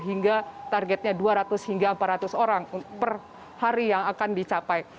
hingga targetnya dua ratus hingga empat ratus orang per hari yang akan dicapai